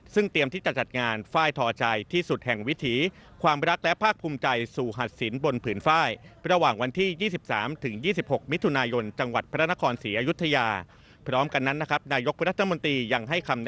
ซึ่งเตรียมที่จะจัดงานไฟล์ทอชัยที่สุดแห่งวิธี